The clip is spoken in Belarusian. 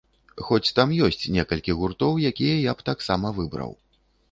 Хоць там ёсць некалькі гуртоў, якія я б таксама выбраў.